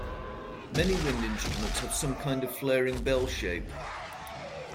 Many wind instruments have some kind of flaring bell shape.